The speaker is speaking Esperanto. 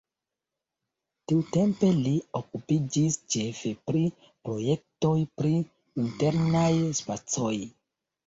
Tiutempe li okupiĝis ĉefe pri projektoj pri internaj spacoj.